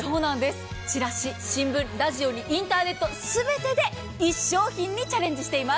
チラシ、新聞、ラジオにインターネット、全てで１商品にチャレンジしています。